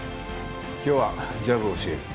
今日はジャブを教える。